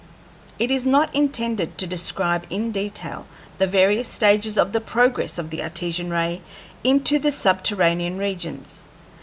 It is not intended to describe in detail the various stages of the progress of the Artesian ray into the subterranean regions.